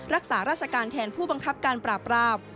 รักษาราชการแทนผู้บังคับการปราบราม